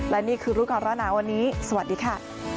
และนี่คือรูปกรณ์แล้วนะวันนี้สวัสดีค่ะ